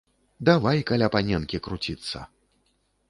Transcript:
Давай каля паненкі круціцца.